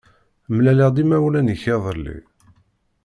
Mlaleɣ-d imawlan-ik iḍelli.